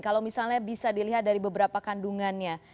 kalau misalnya bisa dilihat dari beberapa kandungannya